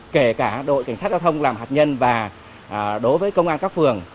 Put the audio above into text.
kể cả đội cảnh sát giao thông làm hạt nhân và đối với công an các phường